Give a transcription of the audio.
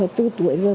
hơn bốn tuổi rồi